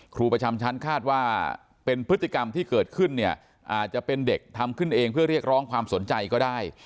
ครูประจำชั้นคาดว่าเป็นพฤติกรรมที่เกิดขึ้นเนี่ยอาจจะเป็นเด็กทำขึ้นเองเพื่อเรียกร้องความสนใจก็ได้